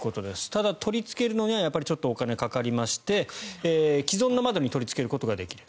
ただ、取りつけるのにはちょっとお金がかかりまして既存の窓に取りつけることができる。